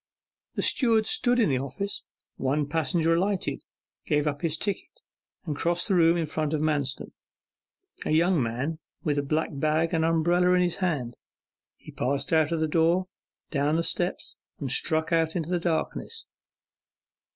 The steward stood in the office. One passenger alighted, gave up his ticket, and crossed the room in front of Manston: a young man with a black bag and umbrella in his hand. He passed out of the door, down the steps, and struck out into the darkness.